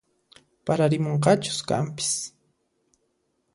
Pararimunqachus kanpis